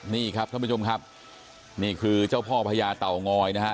นี่ครับท่านผู้ชมครับนี่คือเจ้าพ่อพญาเต่างอยนะฮะ